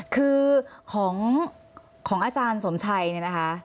คือของอาจารย์สมชัยนะคะ